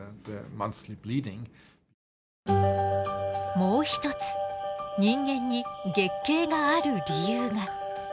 もう一つ人間に月経がある理由が。